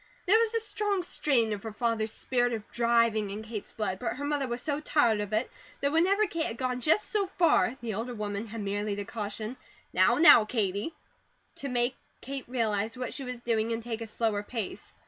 There was a strong strain of her father's spirit of driving in Kate's blood; but her mother was so tired of it that whenever Kate had gone just so far the older woman had merely to caution: "Now, now, Katie!" to make Kate realized what she was doing and take a slower pace.